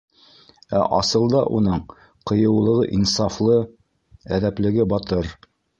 Ә асылда уның ҡыйыулығы инсафлы, әҙәплеге батыр.